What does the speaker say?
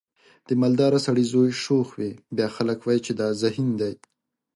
د مالدار سړي زوی شوخ وي بیا خلک وایي چې دا ذهین دی.